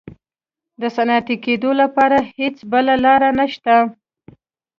د صنعتي کېدو لپاره هېڅ بله لار نشته.